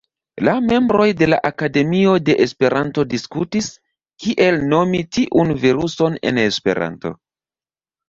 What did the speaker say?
La membroj de la Akademio de Esperanto diskutis, kiel nomi tiun viruson en Esperanto.